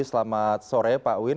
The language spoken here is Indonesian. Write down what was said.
selamat sore pak win